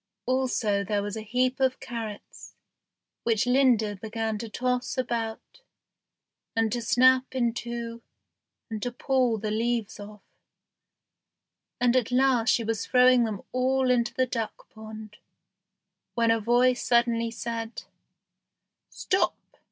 Also there was a heap of carrots, which Linda began to toss about, and to snap in two, and to pull the leaves off; and at last she was throwing them all into the duck pond, when a voice suddenly said, "Stop!"